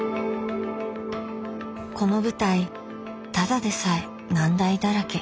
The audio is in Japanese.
この舞台ただでさえ難題だらけ。